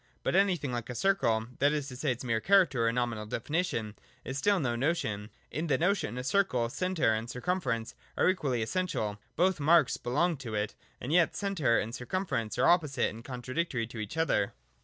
But anything like a circle (that is to say its mere character or nominal definition) is still no notion. In the notion of a circle, centre and circumference are equally essen tial ; both marks belong to it : and yet centre and circumference are opposite and contradictory to each other.